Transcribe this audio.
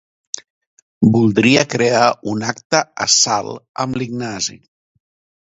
Voldria crear un acte a Salt amb l'Ignasi.